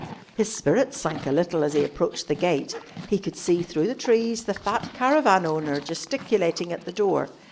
His spirits sank a little as he approached the gate. He could see through the trees the fat caravan owner gesticulating at the door.